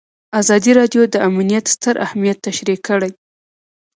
ازادي راډیو د امنیت ستر اهميت تشریح کړی.